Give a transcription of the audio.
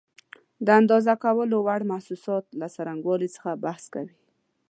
د اندازه کولو وړ محسوساتو له څرنګوالي څخه بحث کوي.